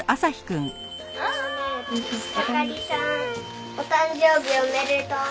高木さんお誕生日おめでとう。